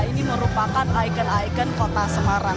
ini merupakan ikon ikon kota semarang